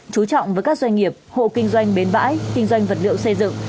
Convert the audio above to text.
chú trọng với các doanh nghiệp hộ kinh doanh bến bãi kinh doanh vật liệu xây dựng